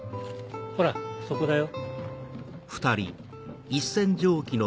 ほらそこだよ。